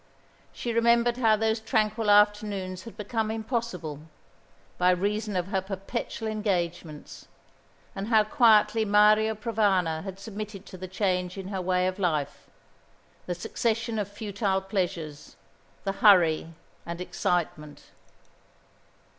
She remembered how those tranquil afternoons had become impossible, by reason of her perpetual engagements; and how quietly Mario Provana had submitted to the change in her way of life, the succession of futile pleasures, the hurry and excitement.